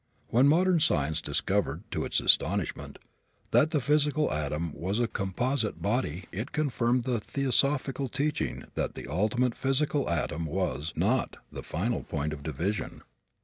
When modern science discovered, to its astonishment, that the physical atom was a composite body it confirmed the theosophical teaching that the ultimate physical atom was not the final point of division.